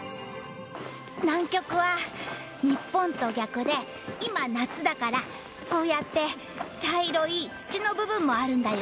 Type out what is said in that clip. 南極は日本と逆で今、夏だからこうやって茶色い土の部分もあるんだよ。